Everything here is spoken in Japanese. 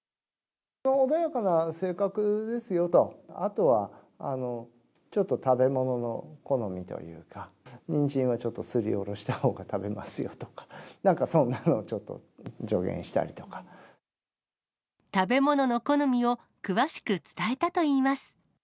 穏やかな性格ですよと、あとはちょっと食べ物の好みというか、にんじんはちょっとすりおろしたほうが食べますよとか、なんかそ食べ物の好みを、詳しく伝えたといいます。